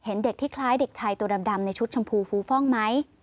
เห็นเด็กที่คล้ายเด็กชายตัวดำในชุดชมพูฟูฟ่องไหม